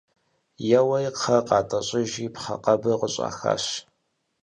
Еуэри кхъэр къатӀэщӀыжри пхъэ къэбыр къыщӀахащ.